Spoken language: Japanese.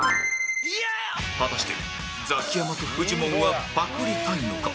果たしてザキヤマとフジモンはパクりたいのか？